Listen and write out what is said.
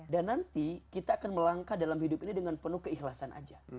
dan nanti kita akan melangkah dalam hidup ini dengan penuh keikhlasan saja